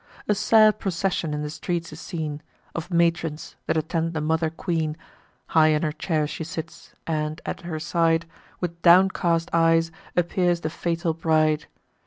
A sad procession in the streets is seen, Of matrons, that attend the mother queen: High in her chair she sits, and, at her side, With downcast eyes, appears the fatal bride.